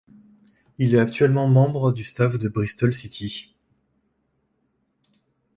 Il est actuellement membre du staff de Bristol City.